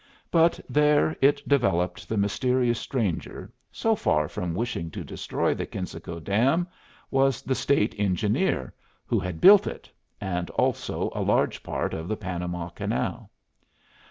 But there it developed the mysterious stranger, so far from wishing to destroy the Kensico dam, was the State Engineer who had built it, and, also, a large part of the Panama Canal.